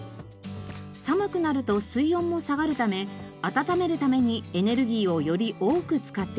寒くなると水温も下がるため温めるためにエネルギーをより多く使っています。